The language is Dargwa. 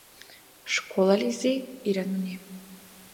— Школализи, — ира нуни.